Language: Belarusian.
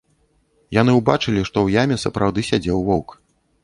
Яны ўбачылі, што ў яме сапраўды сядзеў воўк.